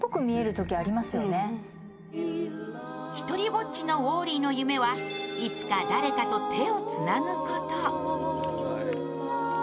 独りぼっちのウォーリーの夢はいつか誰かと手をつなぐこと。